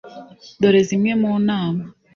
dore zimwe mu nama